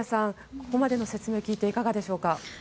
ここまでの説明を聞いていかがでしょうか。